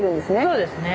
そうですね。